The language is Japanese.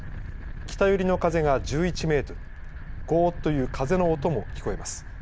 北寄りの風が１１メートルゴーッという風の音も聞こえます。